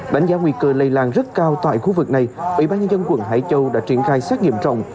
đánh giá nguy cơ lây lan rất cao tại khu vực này ủy ban nhân dân quận hải châu đã triển khai xét nghiệm rộng